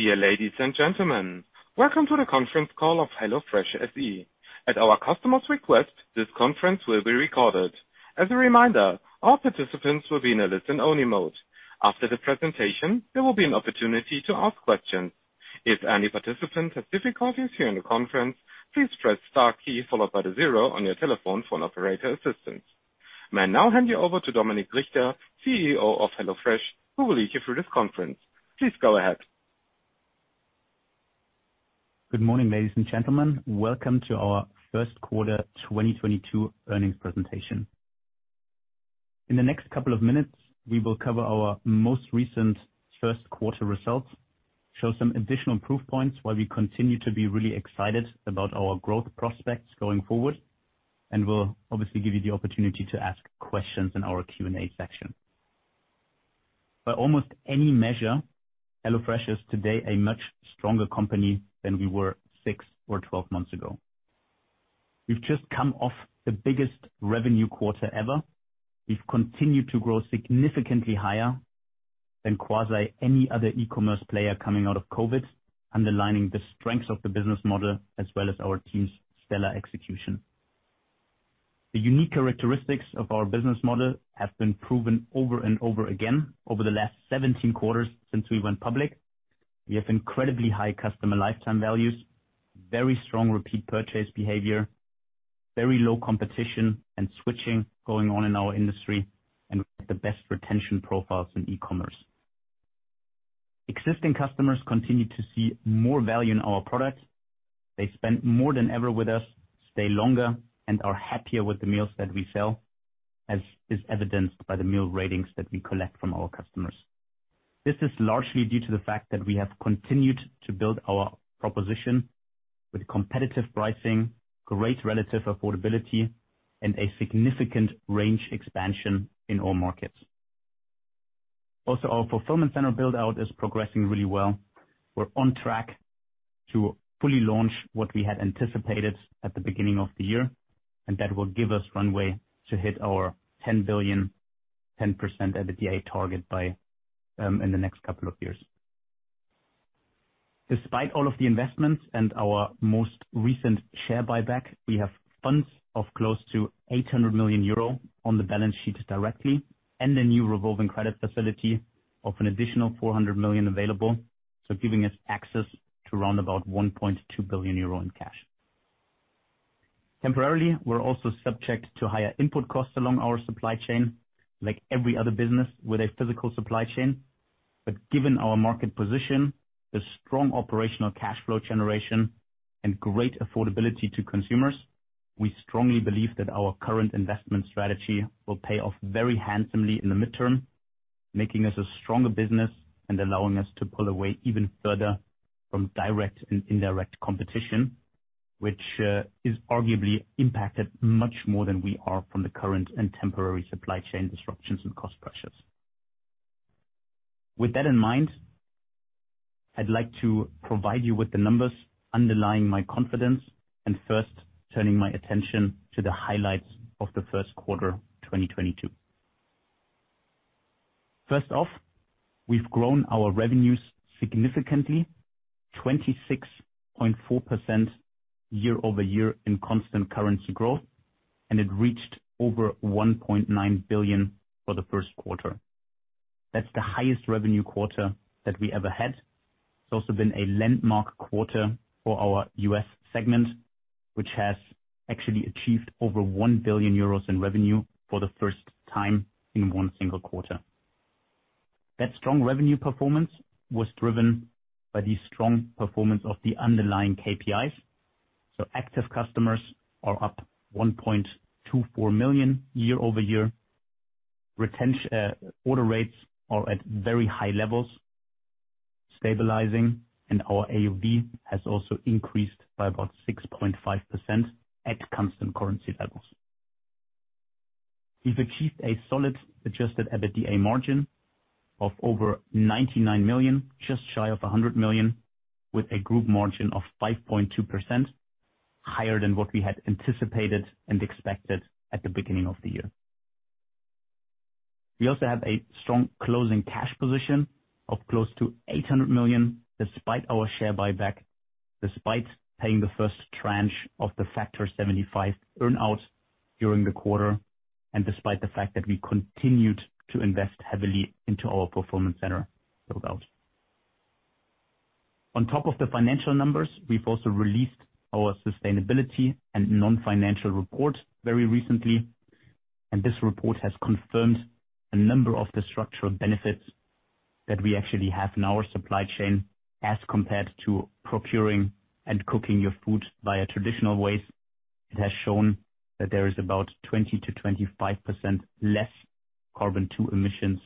Dear ladies and gentlemen, welcome to the conference call of HelloFresh SE. At our customer's request, this conference will be recorded. As a reminder, all participants will be in a listen-only mode. After the presentation, there will be an opportunity to ask questions. If any participant has difficulties during the conference, please press star key followed by the zero on your telephone for an operator assistance. May I now hand you over to Dominik Richter, CEO of HelloFresh, who will lead you through this conference. Please go ahead. Good morning, ladies and gentlemen. Welcome to our first quarter 2022 earnings presentation. In the next couple of minutes, we will cover our most recent first quarter results, show some additional proof points why we continue to be really excited about our growth prospects going forward, and we'll obviously give you the opportunity to ask questions in our Q&A section. By almost any measure, HelloFresh is today a much stronger company than we were 6 or 12 months ago. We've just come off the biggest revenue quarter ever. We've continued to grow significantly higher than quasi any other e-commerce player coming out of COVID, underlining the strength of the business model as well as our team's stellar execution. The unique characteristics of our business model have been proven over and over again over the last 17 quarters since we went public. We have incredibly high customer lifetime values, very strong repeat purchase behavior, very low competition and switching going on in our industry and the best retention profiles in e-commerce. Existing customers continue to see more value in our products. They spend more than ever with us, stay longer, and are happier with the meals that we sell, as is evidenced by the meal ratings that we collect from our customers. This is largely due to the fact that we have continued to build our proposition with competitive pricing, great relative affordability, and a significant range expansion in all markets. Also, our fulfillment center build-out is progressing really well. We're on track to fully launch what we had anticipated at the beginning of the year, and that will give us runway to hit our 10 billion, 10% EBITDA target by in the next couple of years. Despite all of the investments and our most recent share buyback, we have funds of close to 800 million euro on the balance sheet directly and a new revolving credit facility of an additional 400 million available, so giving us access to round about 1.2 billion euro in cash. Temporarily, we're also subject to higher input costs along our supply chain, like every other business with a physical supply chain. Given our market position, the strong operational cash flow generation and great affordability to consumers, we strongly believe that our current investment strategy will pay off very handsomely in the mid-term, making us a stronger business and allowing us to pull away even further from direct and indirect competition, which is arguably impacted much more than we are from the current and temporary supply chain disruptions and cost pressures. With that in mind, I'd like to provide you with the numbers underlying my confidence and first turning my attention to the highlights of the first quarter 2022. First off, we've grown our revenues significantly, 26.4% year-over-year in constant currency growth, and it reached over 1.9 billion for the first quarter. That's the highest revenue quarter that we ever had. It's also been a landmark quarter for our US segment, which has actually achieved over 1 billion euros in revenue for the first time in one single quarter. That strong revenue performance was driven by the strong performance of the underlying KPIs. Active customers are up 1.24 million year-over-year. Order rates are at very high levels, stabilizing, and our AOV has also increased by about 6.5% at constant currency levels. We've achieved a solid adjusted EBITDA margin of over 99 million, just shy of 100 million, with a group margin of 5.2% higher than what we had anticipated and expected at the beginning of the year. We also have a strong closing cash position of close to 800 million, despite our share buyback, despite paying the first tranche of the Factor 75 earn-out during the quarter, and despite the fact that we continued to invest heavily into our fulfillment center build out. On top of the financial numbers, we've also released our sustainability and non-financial report very recently, and this report has confirmed a number of the structural benefits that we actually have in our supply chain as compared to procuring and cooking your food via traditional ways. It has shown that there is about 20%-25% less carbon dioxide emissions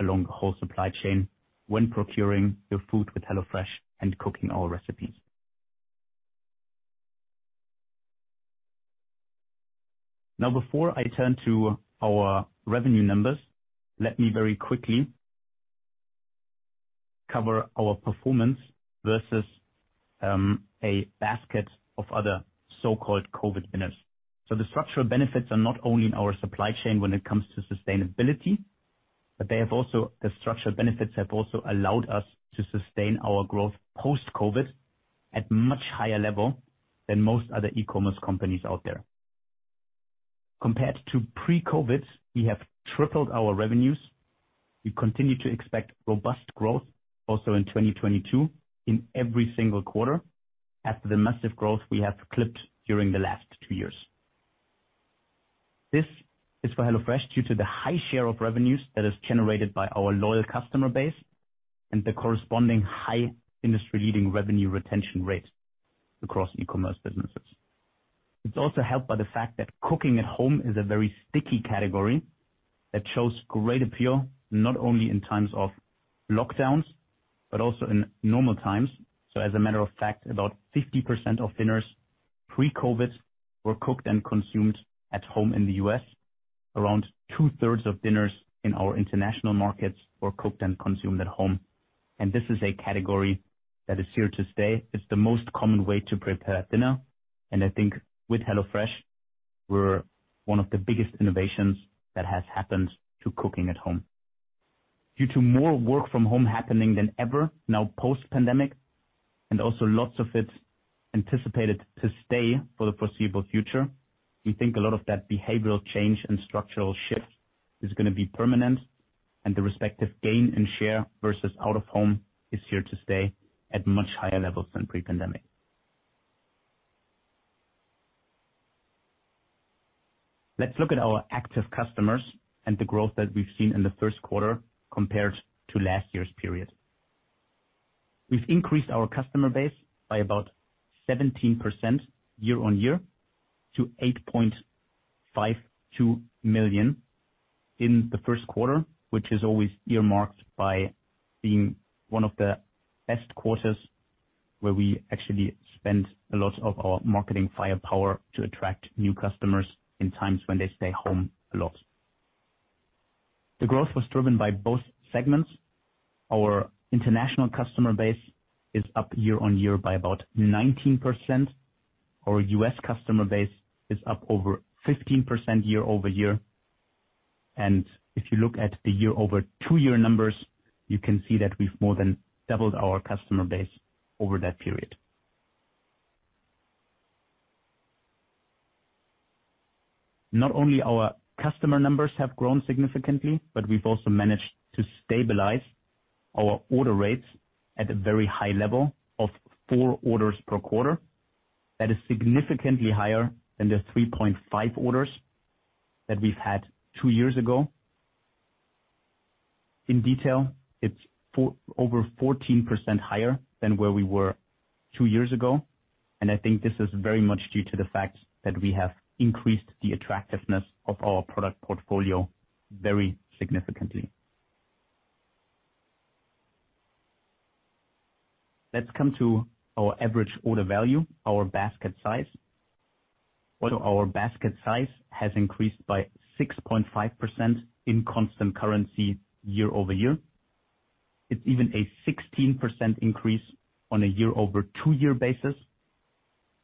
along the whole supply chain when procuring your food with HelloFresh and cooking our recipes. Now, before I turn to our revenue numbers, let me very quickly cover our performance versus a basket of other so-called COVID winners. The structural benefits are not only in our supply chain when it comes to sustainability, but they have also, the structural benefits have also allowed us to sustain our growth post-COVID at much higher level than most other e-commerce companies out there. Compared to pre-COVID, we have tripled our revenues. We continue to expect robust growth also in 2022 in every single quarter after the massive growth we have clocked during the last two years. This is for HelloFresh due to the high share of revenues that is generated by our loyal customer base and the corresponding high industry-leading revenue retention rates across e-commerce businesses. It's also helped by the fact that cooking at home is a very sticky category that shows great appeal, not only in times of lockdowns, but also in normal times. As a matter of fact, about 50% of dinners pre-COVID were cooked and consumed at home in the US. Around 2/3 of dinners in our international markets were cooked and consumed at home. This is a category that is here to stay. It's the most common way to prepare dinner, and I think with HelloFresh, we're one of the biggest innovations that has happened to cooking at home. Due to more work from home happening than ever now post-pandemic, and also lots of it anticipated to stay for the foreseeable future, we think a lot of that behavioral change and structural shift is gonna be permanent, and the respective gain and share versus out of home is here to stay at much higher levels than pre-pandemic. Let's look at our active customers and the growth that we've seen in the first quarter compared to last year's period. We've increased our customer base by about 17% year-on-year to 8.52 million in the first quarter, which is always earmarked by being one of the best quarters where we actually spend a lot of our marketing firepower to attract new customers in times when they stay home a lot. The growth was driven by both segments. Our international customer base is up year-over-year by about 19%. Our US customer base is up over 15% year-over-year. If you look at the year-over-two-year numbers, you can see that we've more than doubled our customer base over that period. Not only our customer numbers have grown significantly, but we've also managed to stabilize our order rates at a very high level of 4 orders per quarter. That is significantly higher than the 3.5 orders that we've had two years ago. In detail, it's over 14% higher than where we were two years ago, and I think this is very much due to the fact that we have increased the attractiveness of our product portfolio very significantly. Let's come to our average order value, our basket size. Also, our basket size has increased by 6.5% in constant currency year-over-year. It's even a 16% increase on a year-over-two-year basis,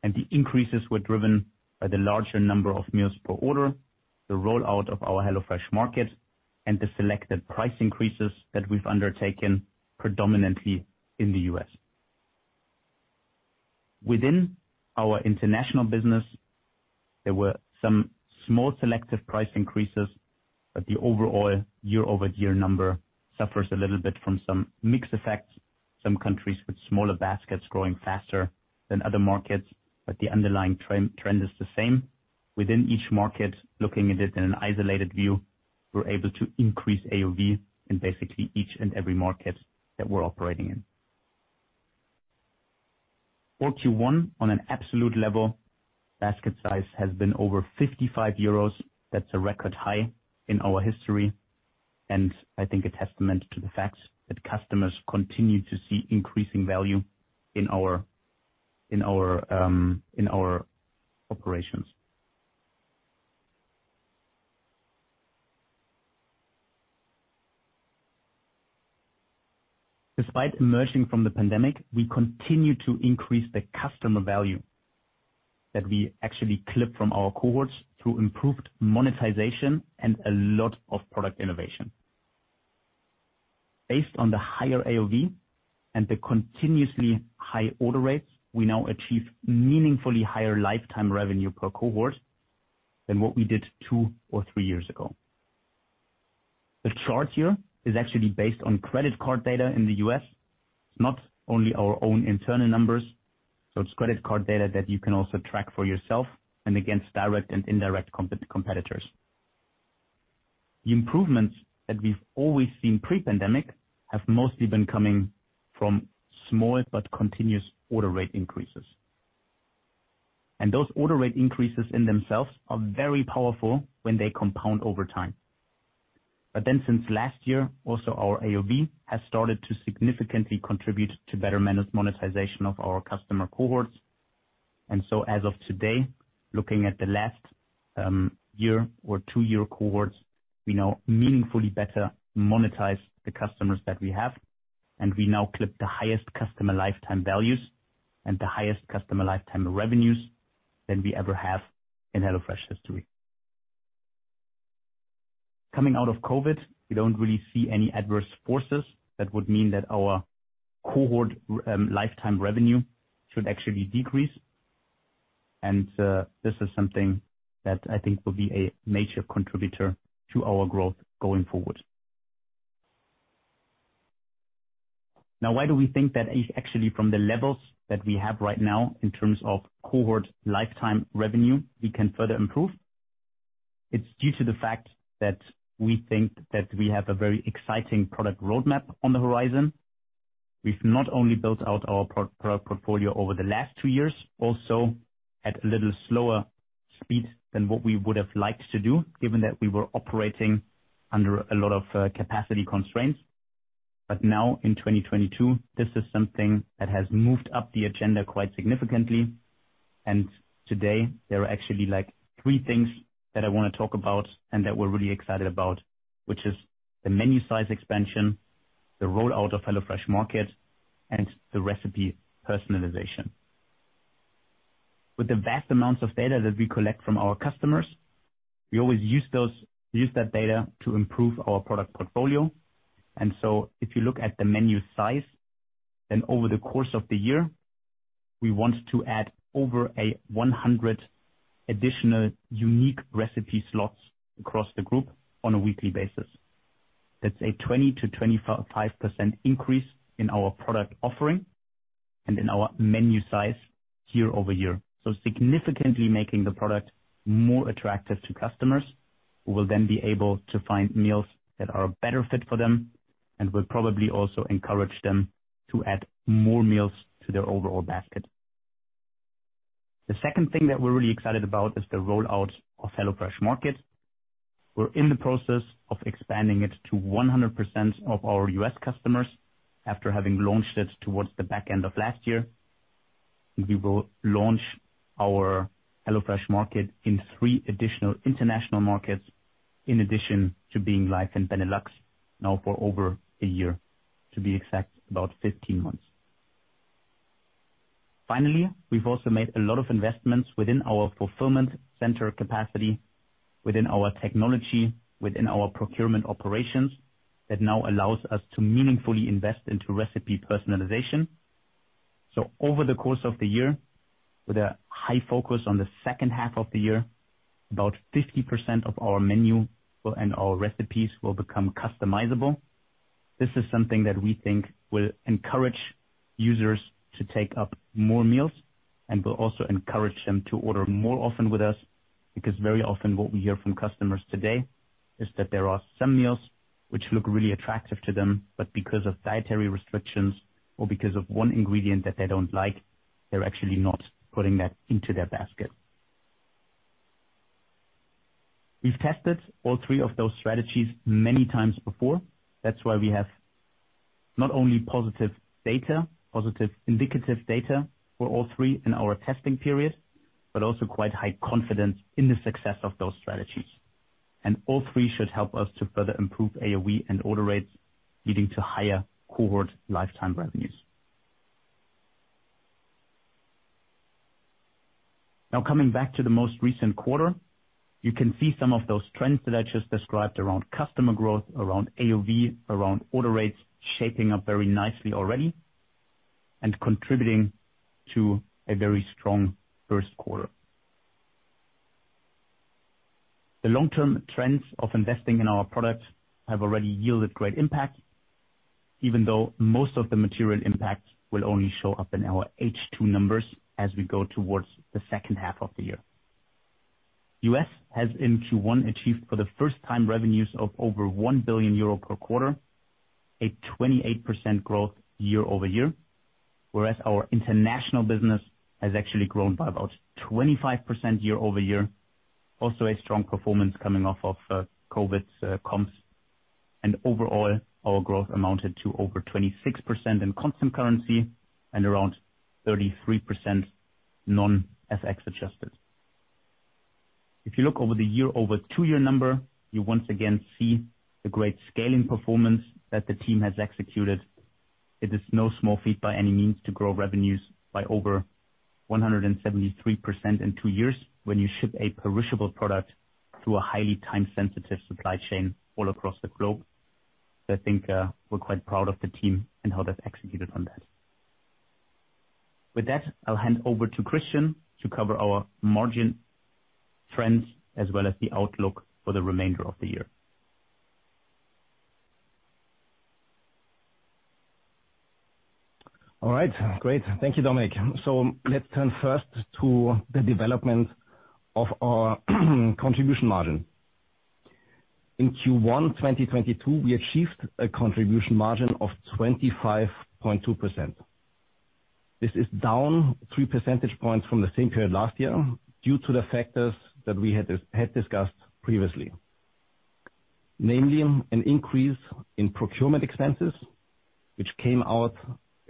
and the increases were driven by the larger number of meals per order, the rollout of our HelloFresh Market, and the selected price increases that we've undertaken predominantly in the U.S. Within our international business, there were some small selective price increases, but the overall year-over-year number suffers a little bit from some mix effects. Some countries with smaller baskets growing faster than other markets, but the underlying trend is the same. Within each market, looking at it in an isolated view, we're able to increase AOV in basically each and every market that we're operating in. For Q1 on an absolute level, basket size has been over 55 euros. That's a record high in our history, and I think a testament to the fact that customers continue to see increasing value in our operations. Despite emerging from the pandemic, we continue to increase the customer value that we actually clip from our cohorts through improved monetization and a lot of product innovation. Based on the higher AOV and the continuously high order rates, we now achieve meaningfully higher lifetime revenue per cohort than what we did two or three years ago. The chart here is actually based on credit card data in the U.S., not only our own internal numbers. It's credit card data that you can also track for yourself and against direct and indirect competitors. The improvements that we've always seen pre-pandemic have mostly been coming from small but continuous order rate increases. Those order rate increases in themselves are very powerful when they compound over time. Since last year, also our AOV has started to significantly contribute to better monetization of our customer cohorts. As of today, looking at the last year or 2-year cohorts, we now meaningfully better monetize the customers that we have, and we now clip the highest customer lifetime values and the highest customer lifetime revenues than we ever have in HelloFresh history. Coming out of COVID, we don't really see any adverse forces that would mean that our cohort lifetime revenue should actually decrease. This is something that I think will be a major contributor to our growth going forward. Now why do we think that actually from the levels that we have right now in terms of cohort lifetime revenue, we can further improve? It's due to the fact that we think that we have a very exciting product roadmap on the horizon. We've not only built out our product portfolio over the last two years, also at a little slower speed than what we would have liked to do, given that we were operating under a lot of capacity constraints. Now in 2022, this is something that has moved up the agenda quite significantly. Today there are actually like three things that I wanna talk about and that we're really excited about, which is the menu size expansion, the rollout of HelloFresh Market, and the recipe personalization. With the vast amounts of data that we collect from our customers, we always use that data to improve our product portfolio. If you look at the menu size, then over the course of the year, we want to add over 100 additional unique recipe slots across the group on a weekly basis. That's a 20%-25% increase in our product offering and in our menu size year over year. Significantly making the product more attractive to customers, who will then be able to find meals that are a better fit for them and will probably also encourage them to add more meals to their overall basket. The second thing that we're really excited about is the rollout of HelloFresh Market. We're in the process of expanding it to 100% of our U.S. customers after having launched it towards the back end of last year. We will launch our HelloFresh Market in three additional international markets in addition to being live in Benelux now for over a year, to be exact, about 15 months. Finally, we've also made a lot of investments within our fulfillment center capacity, within our technology, within our procurement operations, that now allows us to meaningfully invest into recipe personalization. Over the course of the year, with a high focus on the second half of the year, about 50% of our menu and our recipes will become customizable. This is something that we think will encourage users to take up more meals and will also encourage them to order more often with us, because very often what we hear from customers today is that there are some meals which look really attractive to them, but because of dietary restrictions or because of one ingredient that they don't like, they're actually not putting that into their basket. We've tested all three of those strategies many times before. That's why we have not only positive data, positive indicative data for all three in our testing period, but also quite high confidence in the success of those strategies. All three should help us to further improve AOV and order rates, leading to higher cohort lifetime revenues. Now coming back to the most recent quarter, you can see some of those trends that I just described around customer growth, around AOV, around order rates shaping up very nicely already and contributing to a very strong first quarter. The long-term trends of investing in our products have already yielded great impact, even though most of the material impact will only show up in our H2 numbers as we go towards the second half of the year. US has in Q1 achieved for the first time revenues of over 1 billion euro per quarter, a 28% growth year-over-year, whereas our international business has actually grown by about 25% year-over-year. Also a strong performance coming off of COVID's comps. Overall, our growth amounted to over 26% in constant currency and around 33% non-FX adjusted. If you look over two-year number, you once again see the great scaling performance that the team has executed. It is no small feat by any means to grow revenues by over 173% in two years when you ship a perishable product through a highly time-sensitive supply chain all across the globe. I think, we're quite proud of the team and how they've executed on that. With that, I'll hand over to Christian to cover our margin trends as well as the outlook for the remainder of the year. All right. Great. Thank you, Dominik. Let's turn first to the development of our contribution margin. In Q1, 2022, we achieved a contribution margin of 25.2%. This is down 3 percentage points from the same period last year due to the factors that we had discussed previously. Namely, an increase in procurement expenses, which came out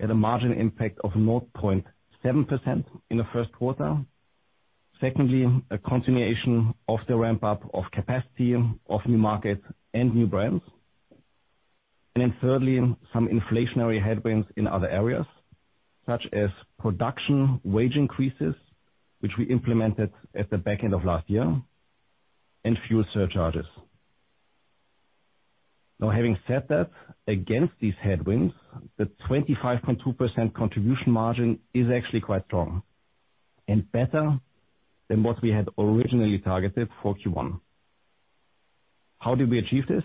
at a margin impact of 0.7% in the first quarter. Secondly, a continuation of the ramp-up of capacity of new markets and new brands. Thirdly, some inflationary headwinds in other areas, such as production wage increases, which we implemented at the back end of last year, and fuel surcharges. Now having said that, against these headwinds, the 25.2% contribution margin is actually quite strong and better than what we had originally targeted for Q1. How did we achieve this?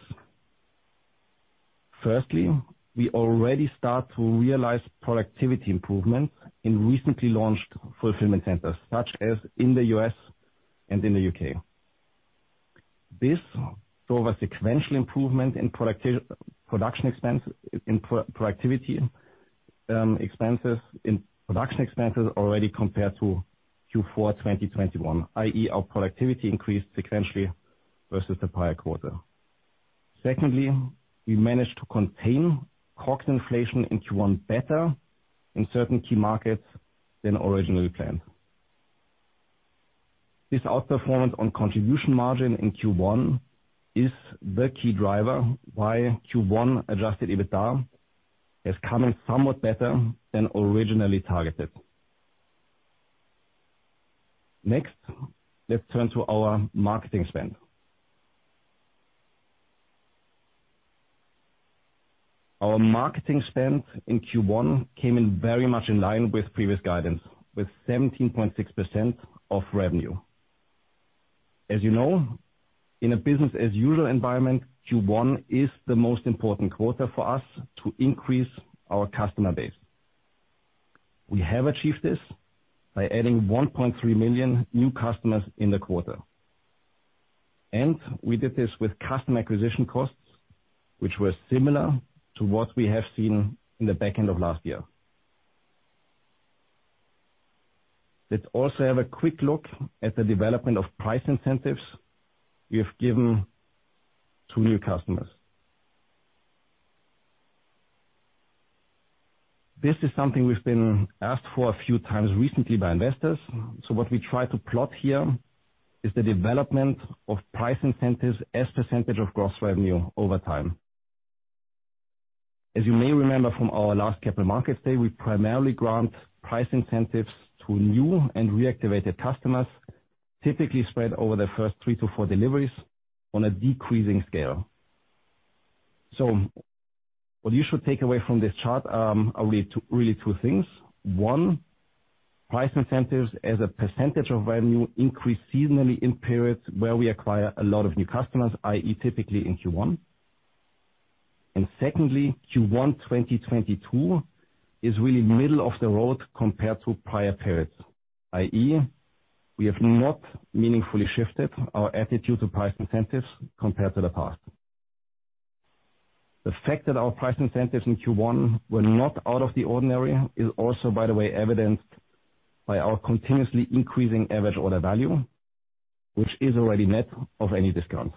Firstly, we already start to realize productivity improvement in recently launched fulfillment centers, such as in the U.S. and in the U.K. This drove a sequential improvement in production expenses already compared to Q4 2021, i.e., our productivity increased sequentially versus the prior quarter. Secondly, we managed to contain COGS inflation in Q1 better in certain key markets than originally planned. This outperformance on contribution margin in Q1 is the key driver why Q1-adjusted EBITDA is coming somewhat better than originally targeted. Next, let's turn to our marketing spend. Our marketing spend in Q1 came in very much in line with previous guidance, with 17.6% of revenue. As you know, in a business as usual environment, Q1 is the most important quarter for us to increase our customer base. We have achieved this by adding 1.3 million new customers in the quarter. We did this with customer acquisition costs, which were similar to what we have seen in the back end of last year. Let's also have a quick look at the development of price incentives we have given to new customers. This is something we've been asked for a few times recently by investors. What we try to plot here is the development of price incentives as percentage of gross revenue over time. As you may remember from our last Capital Markets Day, we primarily grant price incentives to new and reactivated customers, typically spread over the first three to four deliveries on a decreasing scale. What you should take away from this chart are really, really two things. One, price incentives as a percentage of revenue increase seasonally in periods where we acquire a lot of new customers, i.e., typically in Q1. Secondly, Q1 2022 is really middle of the road compared to prior periods, i.e., we have not meaningfully shifted our attitude to price incentives compared to the past. The fact that our price incentives in Q1 were not out of the ordinary is also, by the way, evidenced by our continuously increasing average order value, which is already net of any discount.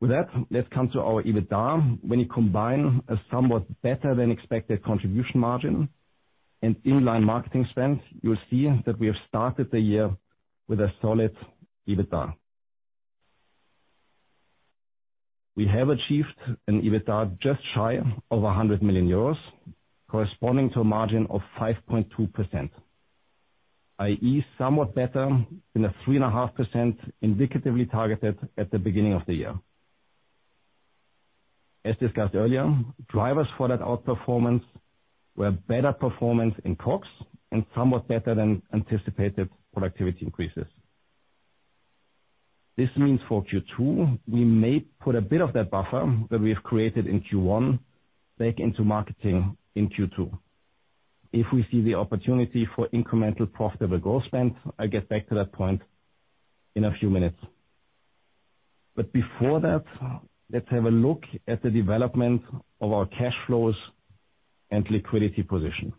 With that, let's come to our EBITDA. When you combine a somewhat better-than-expected contribution margin and in line marketing spend, you'll see that we have started the year with a solid EBITDA. We have achieved an EBITDA just shy of 100 million euros, corresponding to a margin of 5.2%, i.e., somewhat better than the 3.5% indicatively targeted at the beginning of the year. As discussed earlier, drivers for that outperformance were better performance in COGS and somewhat better than anticipated productivity increases. This means for Q2, we may put a bit of that buffer that we have created in Q1 back into marketing in Q2. If we see the opportunity for incremental profitable growth spend, I'll get back to that point in a few minutes. Before that, let's have a look at the development of our cash flows and liquidity position.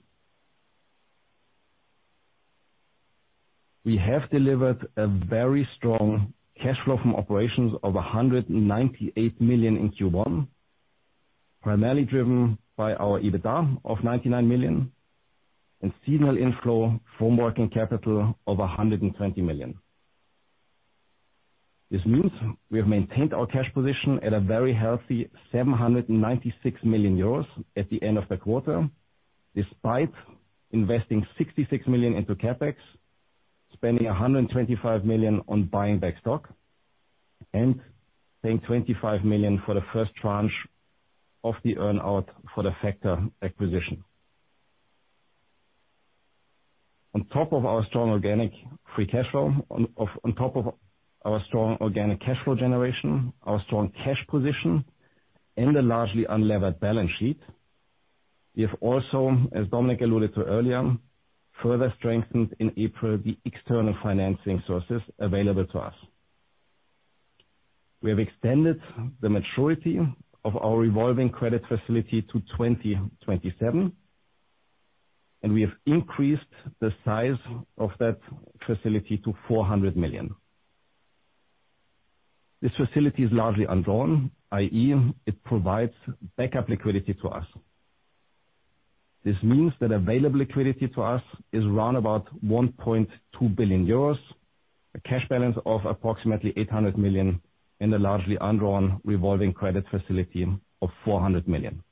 We have delivered a very strong cash flow from operations of 198 million in Q1, primarily driven by our EBITDA of 99 million and seasonal inflow from working capital of 120 million. This means we have maintained our cash position at a very healthy 796 million euros at the end of the quarter, despite investing 66 million into CapEx, spending 125 million on buying back stock, and paying 25 million for the first tranche of the earn-out for the Factor acquisition. On top of our strong organic cash flow generation, our strong cash position and a largely unlevered balance sheet, we have also, as Dominik alluded to earlier, further strengthened in April the external financing sources available to us. We have extended the maturity of our revolving credit facility to 2027, and we have increased the size of that facility to 400 million. This facility is largely undrawn, i.e. it provides backup liquidity to us. This means that available liquidity to us is around about 1.2 billion euros, a cash balance of approximately 800 million in the largely undrawn revolving credit facility of 400 million.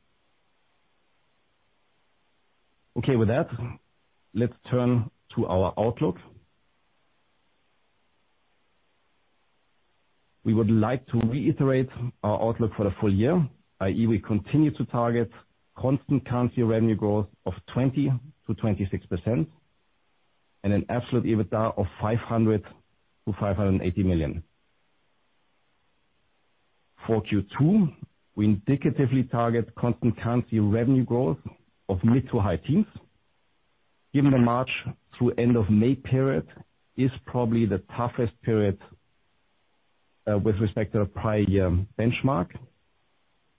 Okay, with that, let's turn to our outlook. We would like to reiterate our outlook for the full year, i.e. We continue to target constant currency revenue growth of 20%-26% and an absolute EBITDA of 500 million-580 million. For Q2, we indicatively target constant currency revenue growth of mid- to high teens. Given the March through end of May period is probably the toughest period with respect to the prior year benchmark.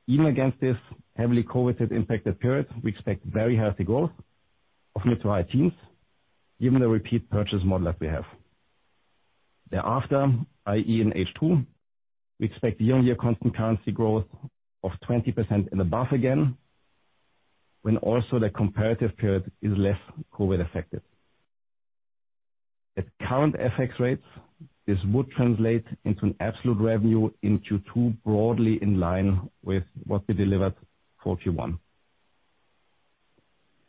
Even against this heavily COVID-impacted period, we expect very healthy growth of mid- to high teens, given the repeat purchase model that we have. Thereafter, i.e., in H2, we expect year-on-year constant currency growth of 20% and above again, when also the comparative period is less COVID affected. At current FX rates, this would translate into an absolute revenue in Q2 broadly in line with what we delivered for Q1.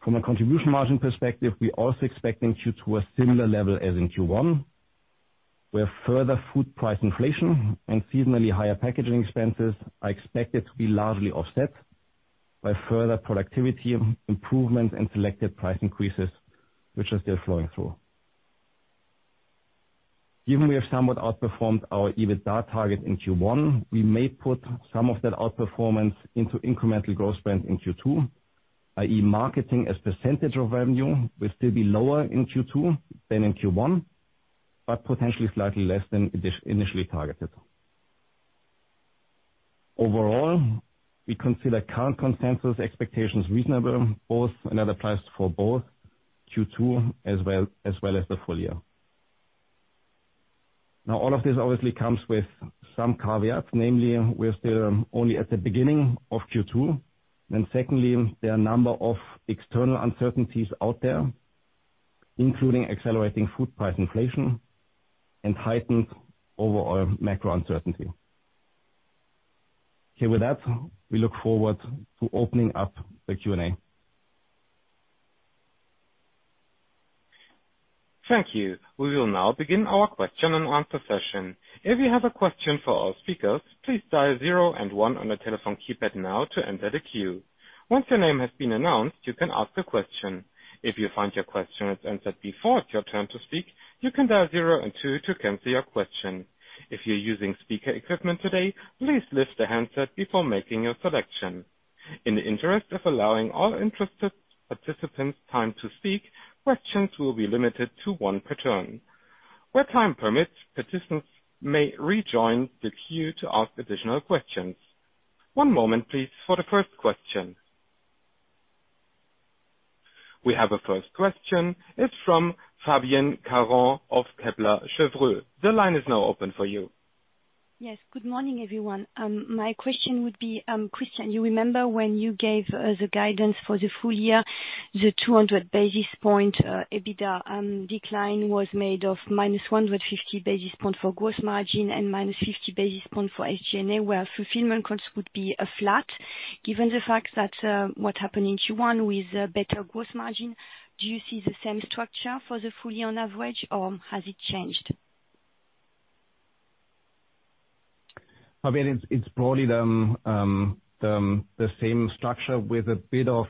From a contribution margin perspective, we're also expecting Q2 a similar level as in Q1, where further food price inflation and seasonally higher packaging expenses are expected to be largely offset by further productivity improvements and selective price increases, which are still flowing through. Given we have somewhat outperformed our EBITDA target in Q1, we may put some of that outperformance into incremental growth spend in Q2, i.e., marketing as percentage of revenue will still be lower in Q2 than in Q1, but potentially slightly less than initially targeted. Overall, we consider current consensus expectations reasonable, both, and that applies for both Q2 as well as the full year. Now, all of this obviously comes with some caveats, namely, we are still only at the beginning of Q2. Secondly, there are a number of external uncertainties out there, including accelerating food price inflation and heightened overall macro uncertainty. Okay, with that, we look forward to opening up the Q&A. Thank you. We will now begin our question and answer session. If you have a question for our speakers, please dial zero and one on the telephone keypad now to enter the queue. Once your name has been announced, you can ask a question. If you find your question has been answered before it's your turn to speak, you can dial zero and two to cancel your question. If you're using speaker equipment today, please lift the handset before making your selection. In the interest of allowing all interested participants time to speak, questions will be limited to one per turn. Where time permits, participants may rejoin the queue to ask additional questions. One moment, please, for the first question. We have a first question. It's from Fabienne Caron of Kepler Cheuvreux. The line is now open for you. Yes. Good morning, everyone. My question would be, Christian, you remember when you gave the guidance for the full year, the 200 basis point EBITDA decline was made of minus 150 basis points for gross margin and minus 50 basis points for SG&A, where fulfillment costs would be flat. Given the fact that what happened in Q1 with better gross margin, do you see the same structure for the full year on average, or has it changed? Fabienne, it's broadly the same structure with a bit of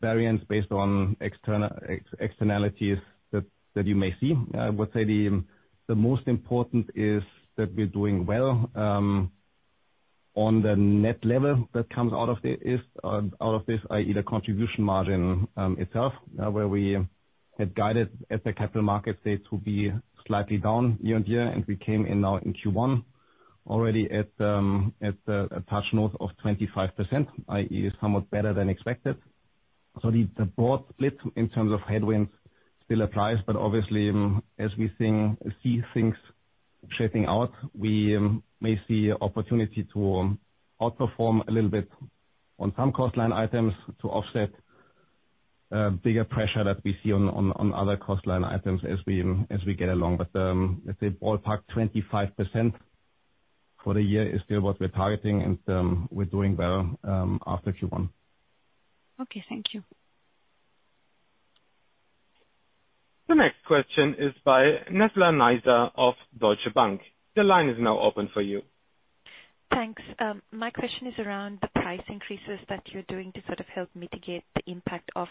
variance based on externalities that you may see. I would say the most important is that we're doing well on the net level that comes out of this, i.e. the contribution margin itself, where we had guided at the Capital Markets Day to be slightly down year-on-year, and we came in now in Q1 already at a touch north of 25%, i.e. somewhat better than expected. The broad split in terms of headwinds still applies, but obviously, as we see things shaping out, we may see opportunity to outperform a little bit on some cost line items to offset bigger pressure that we see on other cost line items as we get along. Let's say ballpark 25% for the year is still what we're targeting, and we're doing well after Q1. Okay. Thank you. The next question is by Nizla Naizer of Deutsche Bank. The line is now open for you. Thanks. My question is around the price increases that you're doing to sort of help mitigate the impact of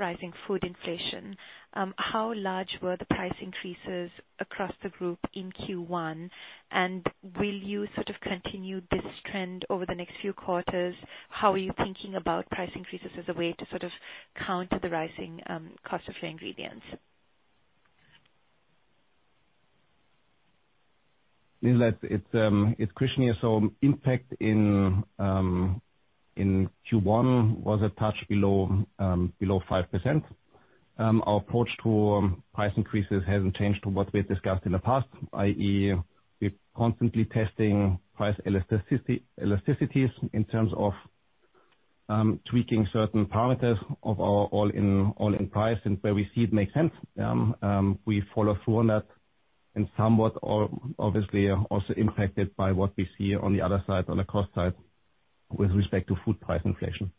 rising food inflation. How large were the price increases across the group in Q1? Will you sort of continue this trend over the next few quarters? How are you thinking about price increases as a way to sort of counter the rising cost of your ingredients? Nizla, it's Christian here. Impact in Q1 was a touch below 5%. Our approach to price increases hasn't changed to what we had discussed in the past, i.e. we're constantly testing price elasticities in terms of tweaking certain parameters of our all-in price. Where we see it make sense, we follow through on that and somewhat obviously also impacted by what we see on the other side, on the cost side with respect to food price inflation.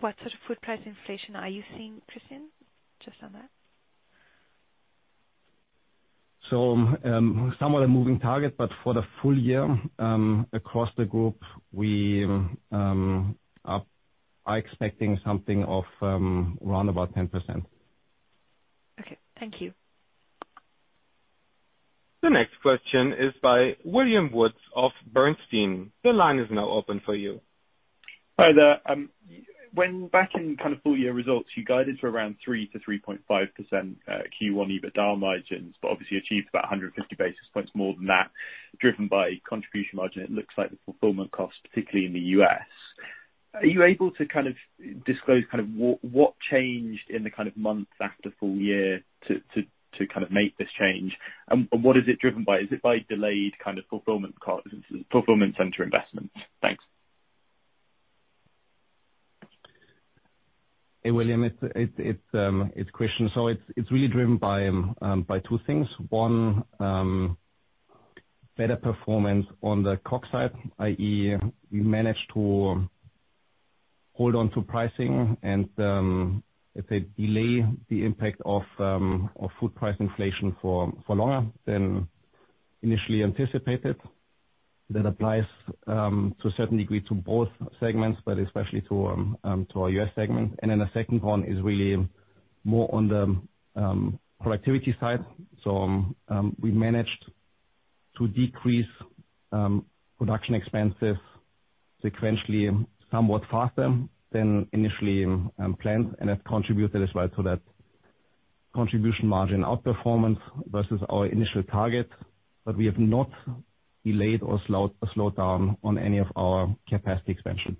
What sort of food price inflation are you seeing, Christian, just on that? Somewhat a moving target, but for the full year, across the group, we are expecting something of around about 10%. Okay, thank you. The next question is by William Woods of Bernstein. The line is now open for you. Hi there. When back in kind of full-year results, you guided for around 3%-3.5% Q1 EBITDA margins, but obviously achieved about 150 basis points more than that, driven by contribution margin. It looks like the fulfillment cost, particularly in the U.S. Are you able to kind of disclose kind of what changed in the kind of months after full-year to kind of make this change? And what is it driven by? Is it by delayed kind of fulfillment center investments? Thanks. Hey, William. It's Christian. It's really driven by two things. One, better performance on the COGS side, i.e. we managed to hold on to pricing and delay the impact of food price inflation for longer than initially anticipated. That applies to a certain degree to both segments, but especially to our U.S. segment. Then the second one is really more on the productivity side. We managed to decrease production expenses sequentially, somewhat faster than initially planned. That contributed as well to that contribution margin outperformance versus our initial target. We have not delayed or slowed down on any of our capacity expansion.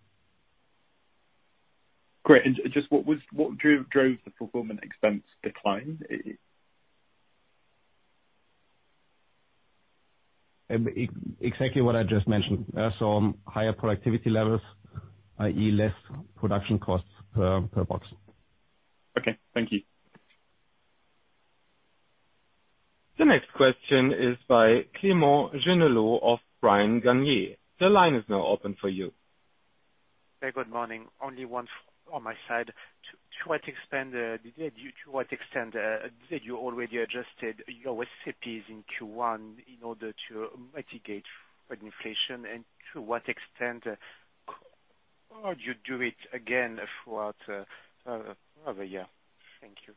Great. Just what drove the fulfillment expense decline? Exactly what I just mentioned. Higher productivity levels, i.e. less production costs per box. Okay, thank you. The next question is by Clément Genelot of Bryan, Garnier & Co. The line is now open for you. Hey, good morning. Only one from my side. To what extent did you already adjusted your recipes in Q1 in order to mitigate food inflation and to what extent could you do it again throughout the year? Thank you.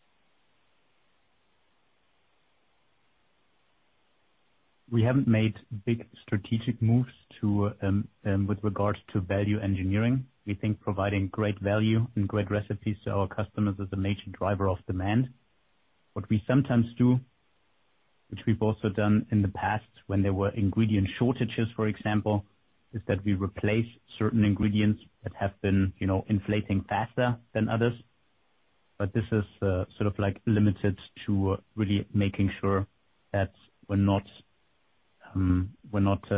We haven't made big strategic moves with regards to value engineering. We think providing great value and great recipes to our customers is a major driver of demand. What we sometimes do, which we've also done in the past when there were ingredient shortages, for example, is that we replace certain ingredients that have been, you know, inflating faster than others. This is sort of like limited to really making sure that we're not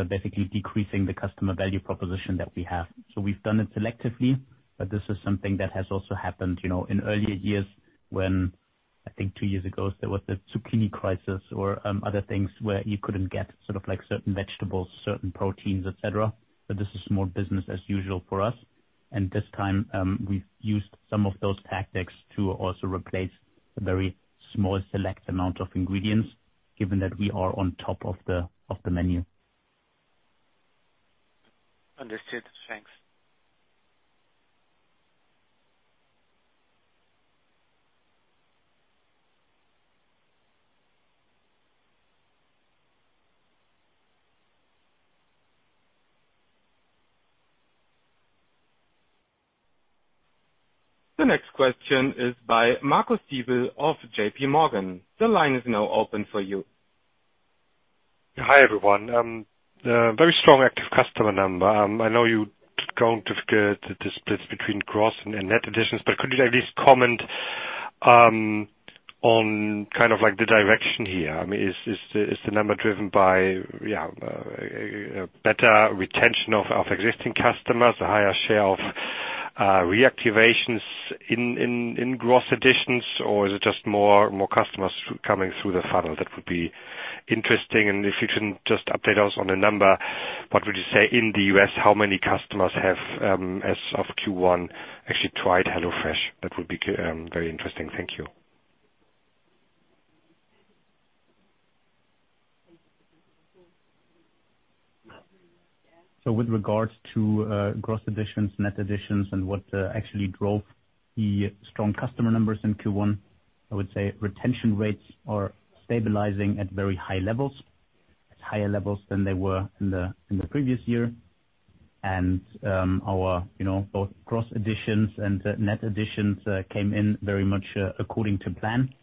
basically decreasing the customer value proposition that we have. We've done it selectively, but this is something that has also happened, you know, in earlier years when I think two years ago there was a zucchini crisis or other things where you couldn't get sort of like certain vegetables, certain proteins, et cetera. This is more business as usual for us. This time, we've used some of those tactics to also replace a very small select amount of ingredients given that we are on top of the menu. Understood. Thanks. The next question is by Marcus Diebel of JPMorgan. The line is now open for you. Hi, everyone. Very strong active customer number. I know you don't give the splits between gross and net additions, but could you at least comment on kind of like the direction here? I mean, is the number driven by a better retention of existing customers, a higher share of reactivations in gross additions, or is it just more customers coming through the funnel? That would be interesting. If you can just update us on the number, what would you say in the US, how many customers have as of Q1 actually tried HelloFresh? That would be very interesting. Thank you. With regards to gross additions, net additions and what actually drove the strong customer numbers in Q1, I would say retention rates are stabilizing at very high levels. Higher levels than they were in the previous year. Both gross additions and net additions came in very much according to plan.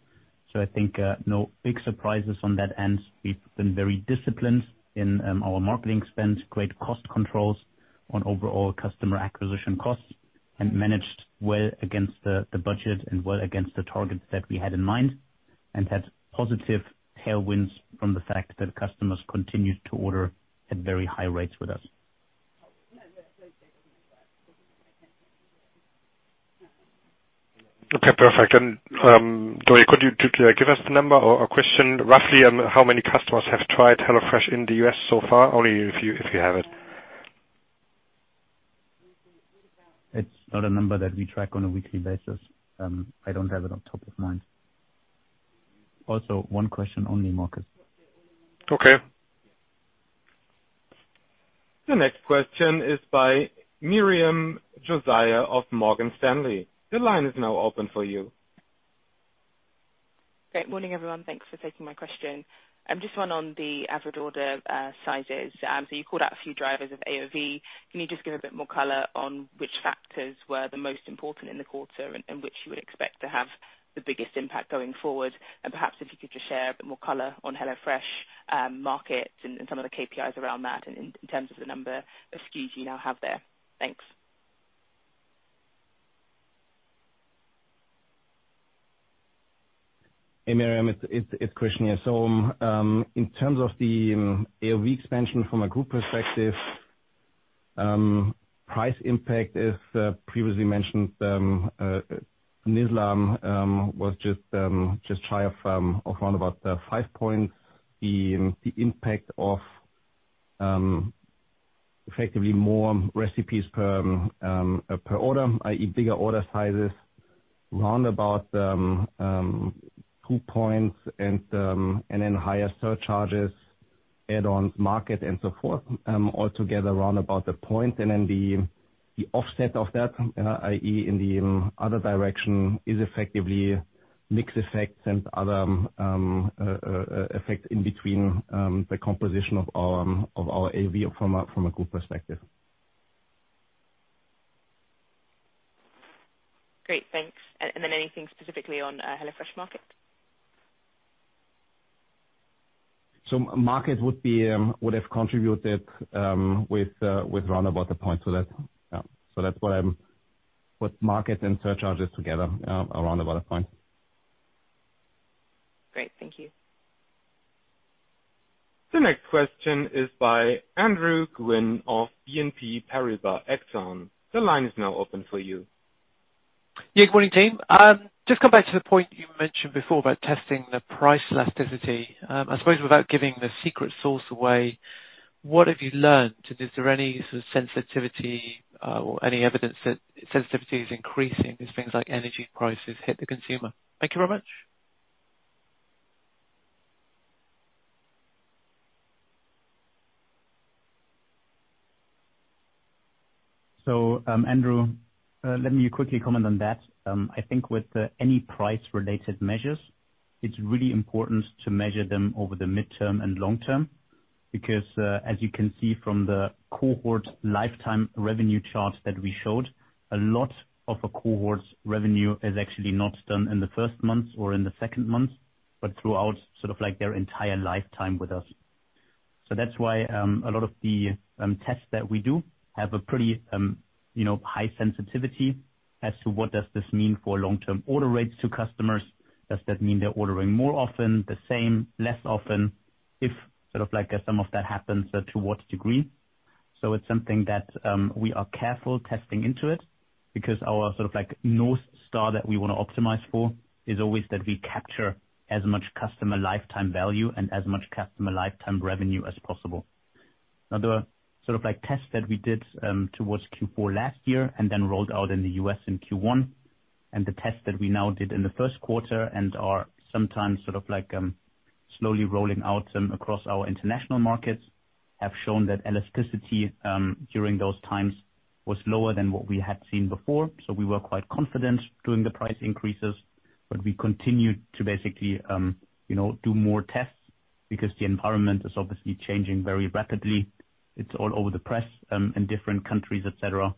I think no big surprises on that end. We've been very disciplined in our marketing spends, great cost controls on overall customer acquisition costs, and managed well against the budget and well against the targets that we had in mind, and had positive tailwinds from the fact that customers continued to order at very high rates with us. Okay, perfect. Sorry, could you just give us the number or a question roughly on how many customers have tried HelloFresh in the U.S. so far? Only if you have it. It's not a number that we track on a weekly basis. I don't have it on top of mind. Also, one question only, Marcus. Okay. The next question is by Miriam Josiah of Morgan Stanley. The line is now open for you. Good morning, everyone. Thanks for taking my question. Just one on the average order sizes. So you called out a few drivers of AOV. Can you just give a bit more color on which factors were the most important in the quarter and which you would expect to have the biggest impact going forward? Perhaps if you could just share a bit more color on HelloFresh markets and some of the KPIs around that in terms of the number of SKUs you now have there. Thanks. Hey, Miriam, it's Christian here. In terms of the AOV expansion from a group perspective, price impact, as previously mentioned, Nizla was just higher from around about 5 points. The impact of effectively more recipes per order, i.e. bigger order sizes, round about 2 points and then higher surcharges, add-ons, market and so forth, all together round about 1 point. The offset of that, i.e. in the other direction is effectively mix effects and other effects in between the composition of our AOV from a group perspective. Great. Thanks. Anything specifically on HelloFresh Market? Market would have contributed with round about a point. With market and surcharges together, around about a point. Great. Thank you. The next question is by Andrew Gwynn of BNP Paribas Exane. The line is now open for you. Yeah. Good morning, team. Just come back to the point you mentioned before about testing the price elasticity. I suppose without giving the secret sauce away, what have you learned? Is there any sort of sensitivity, or any evidence that sensitivity is increasing as things like energy prices hit the consumer? Thank you very much. Andrew, let me quickly comment on that. I think with any price-related measures, it's really important to measure them over the midterm and long-term, because as you can see from the cohort lifetime revenue chart that we showed, a lot of a cohort's revenue is actually not done in the first month or in the second month, but throughout sort of like their entire lifetime with us. That's why a lot of the tests that we do have a pretty you know high sensitivity as to what does this mean for long-term order rates to customers. Does that mean they're ordering more often, the same, less often? If sort of like some of that happens, to what degree? It's something that we are careful testing into it because our sort of like north star that we wanna optimize for is always that we capture as much customer lifetime value and as much customer lifetime revenue as possible. Now, the sort of like tests that we did towards Q4 last year and then rolled out in the US in Q1, and the tests that we now did in the first quarter and are sometimes sort of like slowly rolling out across our international markets, have shown that elasticity during those times was lower than what we had seen before. We were quite confident doing the price increases, but we continued to basically you know do more tests because the environment is obviously changing very rapidly. It's all over the press in different countries, et cetera.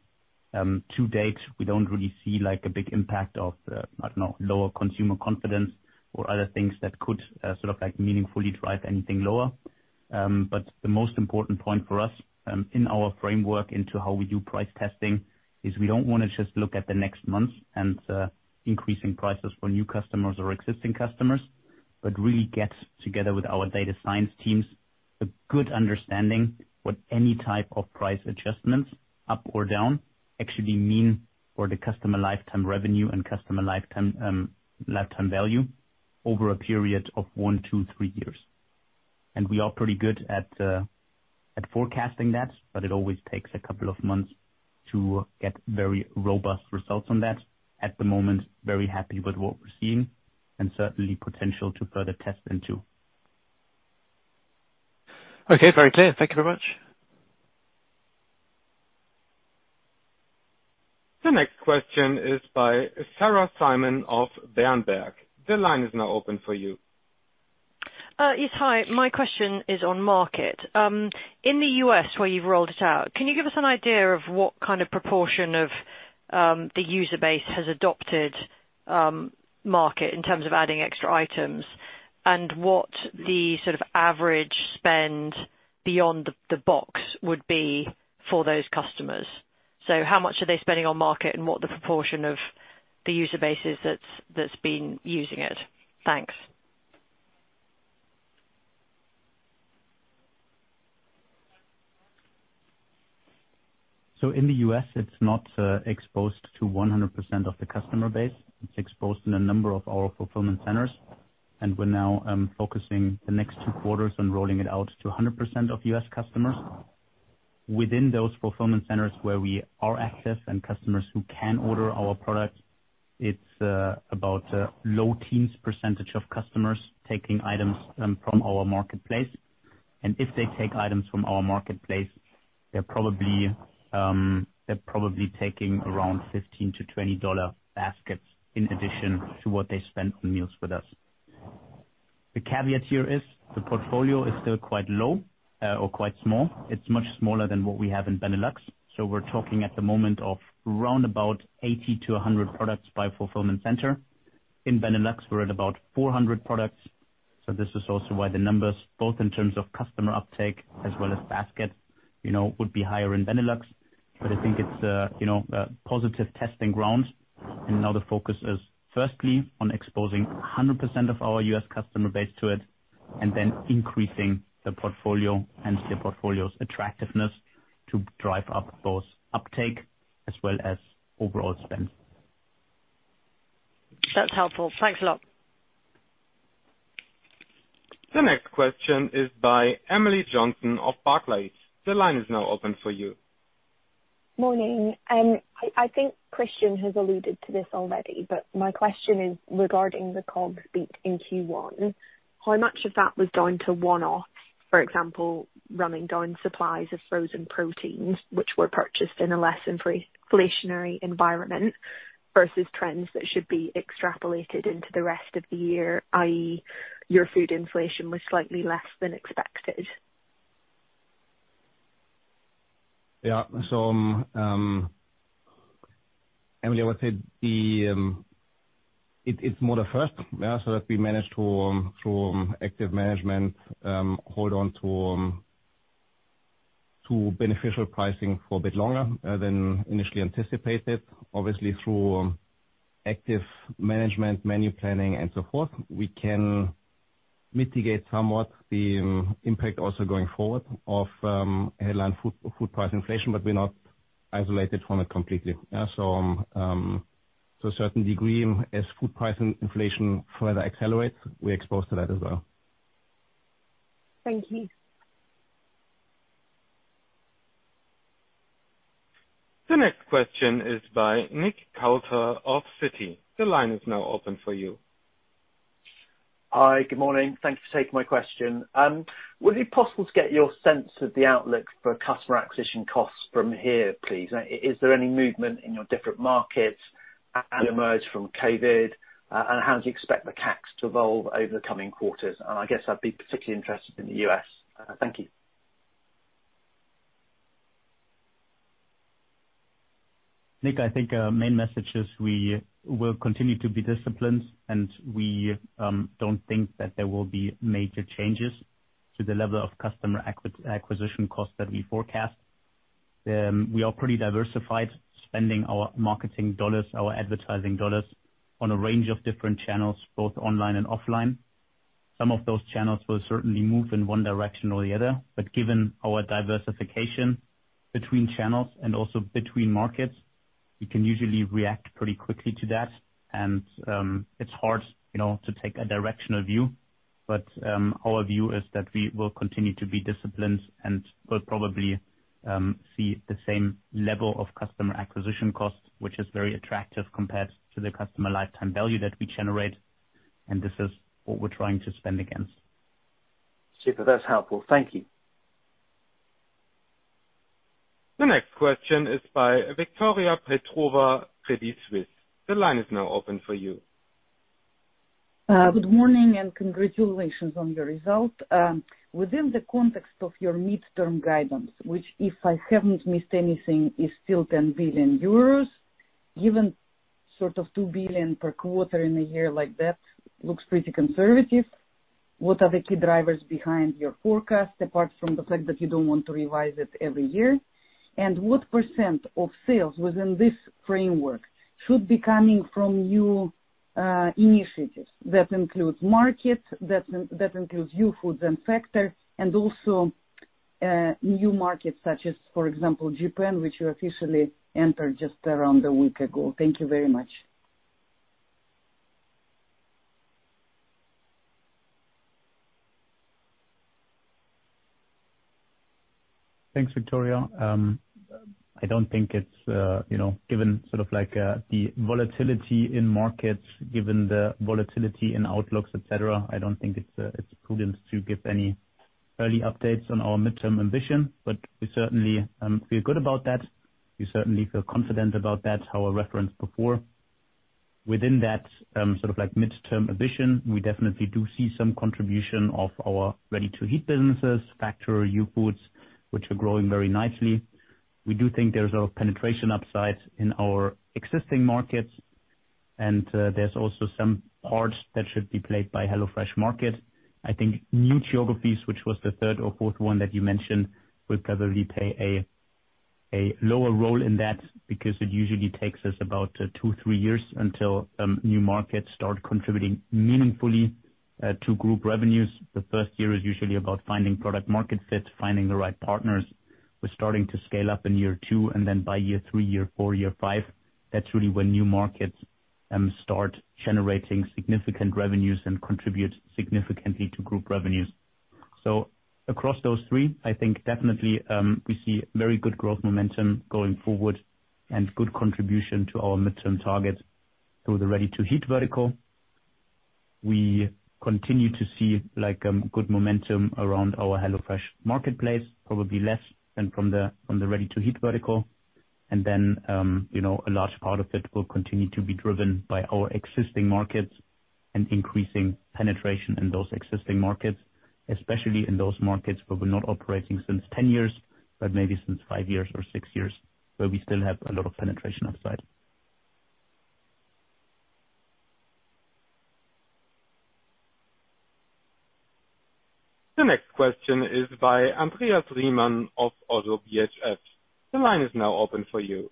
To date, we don't really see like a big impact of, I don't know, lower consumer confidence or other things that could, sort of like meaningfully drive anything lower. But the most important point for us, in our framework into how we do price testing is we don't wanna just look at the next month and, increasing prices for new customers or existing customers, but really get together with our data science teams a good understanding what any type of price adjustments up or down actually mean for the customer lifetime revenue and customer lifetime value over a period of one to three years. We are pretty good at forecasting that, but it always takes a couple of months to get very robust results on that. At the moment, very happy with what we're seeing and certainly potential to further test into. Okay, very clear. Thank you very much. The next question is by Sarah Simon of Berenberg. The line is now open for you. Yes, hi. My question is on Market. In the U.S. where you've rolled it out, can you give us an idea of what kind of proportion of the user base has adopted Market in terms of adding extra items and what the sort of average spend beyond the box would be for those customers? How much are they spending on Market and what the proportion of the user base is that's been using it? Thanks. In the US, it's not exposed to 100% of the customer base. It's exposed in a number of our fulfillment centers, and we're now focusing the next two quarters on rolling it out to 100% of US customers. Within those fulfillment centers where we are active and customers who can order our products, it's about low teens % of customers taking items from our marketplace. If they take items from our marketplace, they're probably taking around $15-$20 baskets in addition to what they spend on meals with us. The caveat here is the portfolio is still quite low or quite small. It's much smaller than what we have in Benelux. We're talking at the moment of around about 80-100 products by fulfillment center. In Benelux, we're at about 400 products. This is also why the numbers, both in terms of customer uptake as well as basket, you know, would be higher in Benelux. I think it's, you know, a positive testing ground. Now the focus is firstly on exposing 100% of our US customer base to it, and then increasing the portfolio and the portfolio's attractiveness to drive up both uptake as well as overall spend. That's helpful. Thanks a lot. The next question is by Emily Johnson of Barclays. The line is now open for you. Morning. I think Christian has alluded to this already, but my question is regarding the comp beat in Q1. How much of that was down to one-off, for example, running down supplies of frozen proteins which were purchased in a less inflationary environment versus trends that should be extrapolated into the rest of the year, i.e., your food inflation was slightly less than expected. Emily, I would say it's more the first that we managed to, through active management, hold on to beneficial pricing for a bit longer than initially anticipated. Obviously, through active management, menu planning and so forth, we can mitigate somewhat the impact also going forward of headline food price inflation, but we're not isolated from it completely. To a certain degree, as food price inflation further accelerates, we're exposed to that as well. Thank you. The next question is by Nick Coulter of Citi. The line is now open for you. Hi, good morning. Thank you for taking my question. Would it be possible to get your sense of the outlook for customer acquisition costs from here, please? Is there any movement in your different markets as you emerge from COVID, and how do you expect the CACs to evolve over the coming quarters? I guess I'd be particularly interested in the US. Thank you. Nick, I think our main message is we will continue to be disciplined, and we don't think that there will be major changes to the level of customer acquisition costs that we forecast. We are pretty diversified, spending our marketing dollars, our advertising dollars on a range of different channels, both online and offline. Some of those channels will certainly move in one direction or the other. Given our diversification between channels and also between markets, we can usually react pretty quickly to that. It's hard, you know, to take a directional view. Our view is that we will continue to be disciplined and will probably see the same level of customer acquisition costs, which is very attractive compared to the customer lifetime value that we generate. This is what we're trying to spend against. Super, that's helpful. Thank you. The next question is by Victoria Petrova, Credit Suisse. The line is now open for you. Good morning, and congratulations on your result. Within the context of your midterm guidance, which if I haven't missed anything, is still 10 billion euros, given sort of 2 billion per quarter in a year like that looks pretty conservative, what are the key drivers behind your forecast, apart from the fact that you don't want to revise it every year? What % of sales within this framework should be coming from new initiatives? That includes markets, that includes new foods and Factor, and also new markets such as, for example, Japan, which you officially entered just around a week ago. Thank you very much. Thanks, Victoria. I don't think it's, you know, given sort of like, the volatility in markets, given the volatility in outlooks, et cetera, I don't think it's prudent to give any early updates on our midterm ambition, but we certainly feel good about that. We certainly feel confident about that, how I referenced before. Within that, sort of like midterm ambition, we definitely do see some contribution of our ready-to-heat businesses, Factor, Youfoodz, which are growing very nicely. We do think there's a penetration upside in our existing markets. There's also some parts that should be played by HelloFresh Market. I think new geographies, which was the third or fourth one that you mentioned, will probably play a lower role in that because it usually takes us about 2-3 years until new markets start contributing meaningfully to group revenues. The first year is usually about finding product market fit, finding the right partners. We're starting to scale up in year 2, and then by year 3, year 4, year 5, that's really when new markets start generating significant revenues and contribute significantly to group revenues. Across those three, I think definitely we see very good growth momentum going forward and good contribution to our midterm targets through the ready-to-heat vertical. We continue to see like good momentum around our HelloFresh Market, probably less than from the ready-to-heat vertical. You know, a large part of it will continue to be driven by our existing markets and increasing penetration in those existing markets, especially in those markets where we're not operating since 10 years, but maybe since five years or six years, where we still have a lot of penetration upside. The next question is by Andreas Riemann of Oddo BHF. The line is now open for you.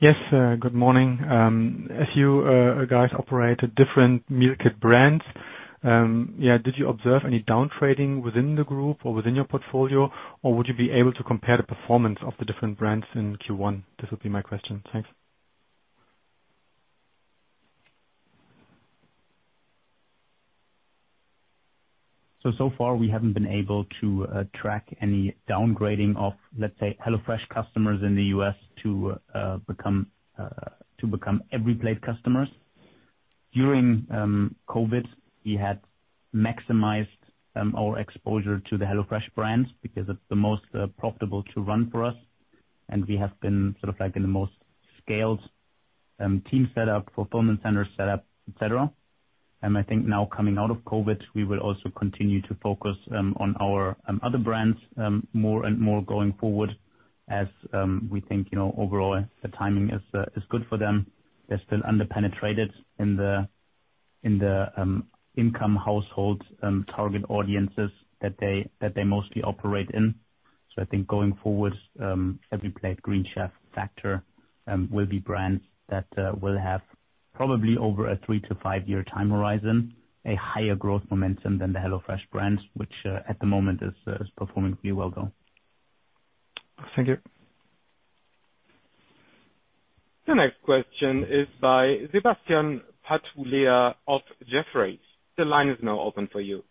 Yes, good morning. As you guys operate different meal kit brands, did you observe any down-trading within the group or within your portfolio? Or would you be able to compare the performance of the different brands in Q1? This would be my question. Thanks. So far we haven't been able to track any downgrading of, let's say, HelloFresh customers in the U.S. to become EveryPlate customers. During COVID, we had maximized our exposure to the HelloFresh brands because it's the most profitable to run for us, and we have been sort of like in the most scaled team setup, fulfillment center setup, et cetera. I think now coming out of COVID, we will also continue to focus on our other brands more and more going forward as we think, you know, overall the timing is good for them. They're still under-penetrated in the income households target audiences that they mostly operate in. I think going forward, EveryPlate, Green Chef, Factor, will be brands that will have probably over a 3-5 year time horizon, a higher growth momentum than the HelloFresh brands, which at the moment is performing pretty well, though. Thank you. The next question is by Sebastian Patulea of Jefferies. The line is now open for you.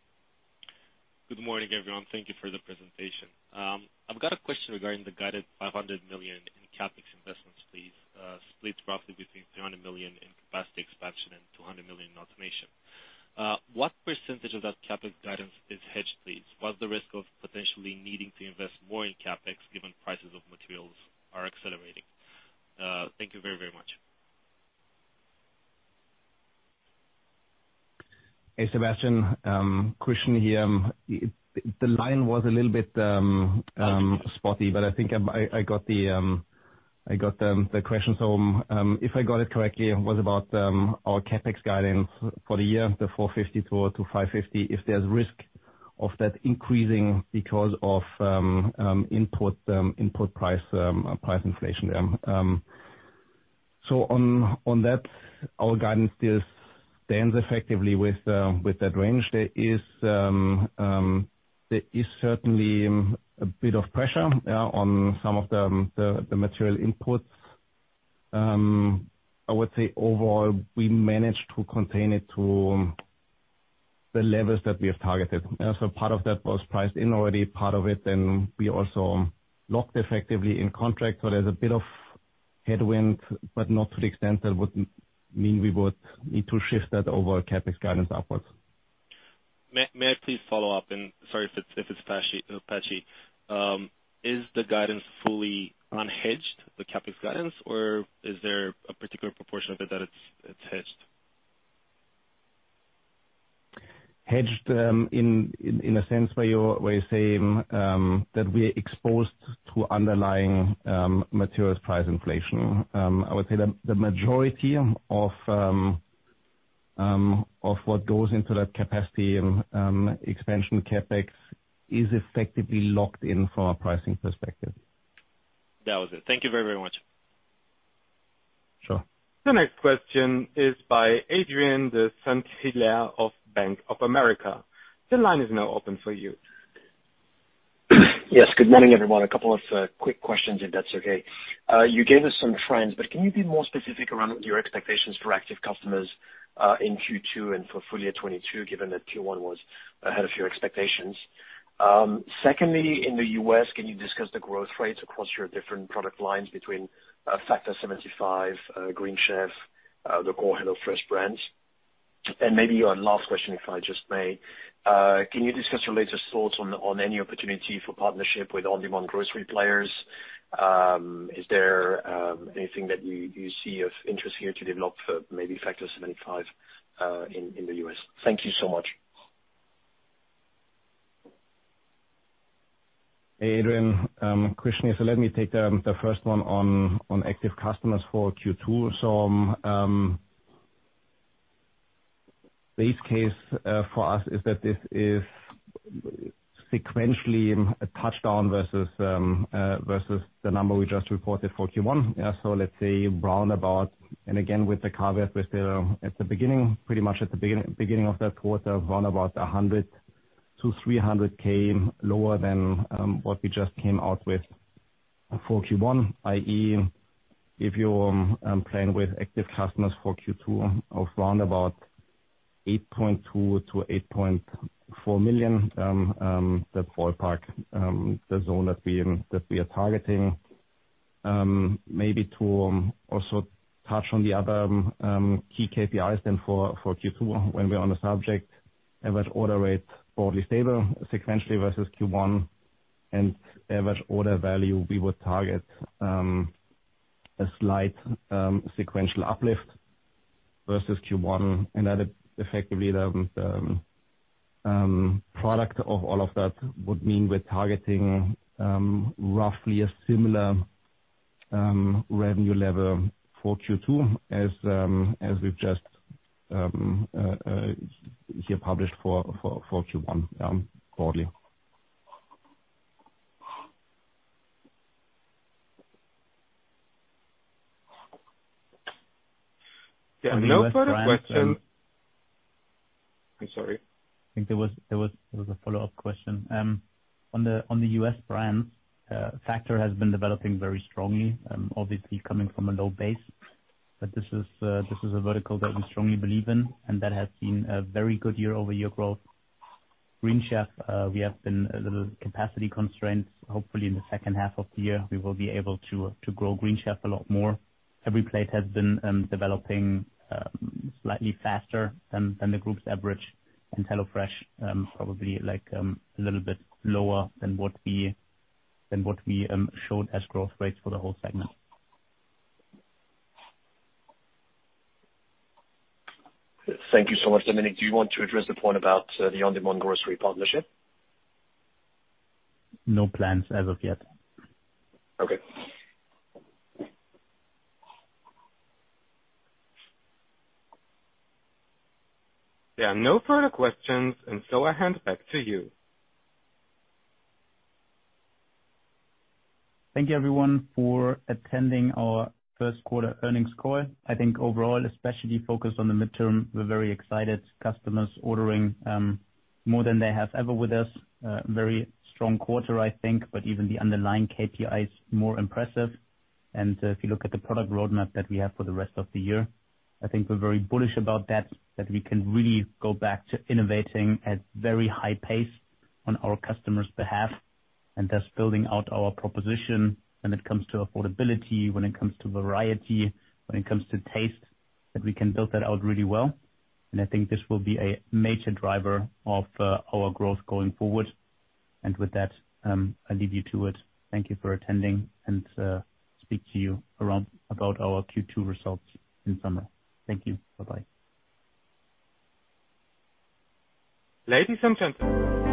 Good morning, everyone. Thank you for the presentation. I've got a question regarding the guided 500 million in CapEx investments, please. Split roughly between 300 million in capacity expansion and 200 million in automation. What percentage of that CapEx guidance is hedged, please? What's the risk of potentially needing to invest more in CapEx given prices of materials are accelerating? Thank you very, very much. Hey, Sebastian. Question here. The line was a little bit spotty, but I think I got the question. If I got it correctly, it was about our CapEx guidance for the year, the 450-550, if there's risk of that increasing because of input price inflation. On that, our guidance still stands effectively with that range. There is certainly a bit of pressure, yeah, on some of the material inputs. I would say overall, we managed to contain it to the levels that we have targeted. Also part of that was priced in already, part of it then we also locked effectively in contract. There's a bit of headwind, but not to the extent that would mean we would need to shift that overall CapEx guidance upwards. May I please follow up? Sorry if it's patchy. Is the guidance fully unhedged, the CapEx guidance? Or is there a particular proportion of it that it's hedged? Hedged in a sense where you're saying that we're exposed to underlying materials price inflation. I would say the majority of what goes into that capacity and expansion CapEx is effectively locked in from a pricing perspective. That was it. Thank you very, very much. Sure. The next question is by Adrien de Saint Hilaire of Bank of America. The line is now open for you. Yes, good morning, everyone. A couple of quick questions, if that's okay. You gave us some trends, but can you be more specific around your expectations for active customers in Q2 and for full year 2022, given that Q1 was ahead of your expectations? Secondly, in the US, can you discuss the growth rates across your different product lines between Factor 75, Green Chef, the core HelloFresh brands. Maybe one last question, if I just may. Can you discuss your latest thoughts on any opportunity for partnership with on-demand grocery players? Is there anything that you see of interest here to develop for maybe Factor 75 in the US? Thank you so much. Adrien, question. Let me take the first one on active customers for Q2. Base case for us is that this is sequentially a touchdown versus the number we just reported for Q1. Yeah, let's say round about. Again, with the caveat that at the beginning, pretty much at the beginning of that quarter, around about 100-300K lower than what we just came out with for Q1. i.e., if you're playing with active customers for Q2 of round about 8.2-8.4 million, that ballpark, the zone that we are targeting. Maybe to also touch on the other key KPIs then for Q2 when we're on the subject. Average order rate broadly stable sequentially versus Q1 and average order value we would target a slight sequential uplift versus Q1. That effectively the product of all of that would mean we're targeting roughly a similar revenue level for Q2 as we've just here published for Q1, broadly. There are no further questions. I'm sorry. I think there was a follow-up question. On the US brands, Factor has been developing very strongly, obviously coming from a low base. But this is a vertical that we strongly believe in, and that has seen a very good year-over-year growth. Green Chef, we have been a little capacity constrained. Hopefully in the second half of the year we will be able to grow Green Chef a lot more. EveryPlate has been developing slightly faster than the group's average. And HelloFresh, probably like a little bit lower than what we showed as growth rates for the whole segment. Thank you so much. Dominik, do you want to address the point about the on-demand grocery partnership? No plans as of yet. Okay. There are no further questions and so I hand back to you. Thank you everyone for attending our first quarter earnings call. I think overall, especially focused on the midterm, we're very excited customers ordering more than they have ever with us. Very strong quarter I think, but even the underlying KPI is more impressive. If you look at the product roadmap that we have for the rest of the year, I think we're very bullish about that. That we can really go back to innovating at very high pace on our customers' behalf, and thus building out our proposition when it comes to affordability, when it comes to variety, when it comes to taste, that we can build that out really well. I think this will be a major driver of our growth going forward. With that, I leave you to it. Thank you for attending and speak to you around about our Q2 results in summer. Thank you. Bye-bye. Ladies and gentlemen.